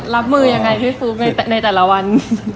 ราบมือยังไงที่ซูอ์ฟในแต่ละวัน